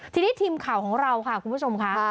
ทีนี้ทีมข่าวของเราค่ะคุณผู้ชมค่ะ